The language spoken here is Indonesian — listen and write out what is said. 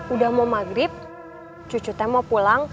udah mau maghrib cucu teh mau pulang